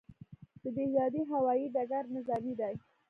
د دهدادي هوايي ډګر نظامي دی